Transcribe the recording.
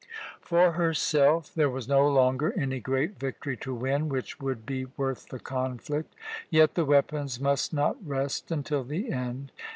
For herself there was no longer any great victory to win which would be worth the conflict. Yet the weapons must not rest until the end.